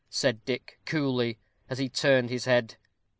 said Dick, coolly, as he turned his head.